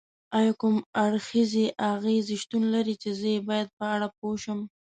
ایا کوم اړخیزې اغیزې شتون لري چې زه یې باید په اړه پوه شم؟